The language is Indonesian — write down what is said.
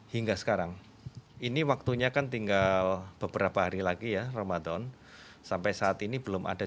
hingga sekarang ini waktunya kan tinggal beberapa hari lagi ya ramadan sampai saat ini belum ada